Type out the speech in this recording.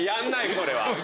これは。